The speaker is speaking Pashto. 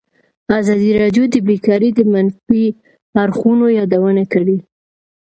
ازادي راډیو د بیکاري د منفي اړخونو یادونه کړې.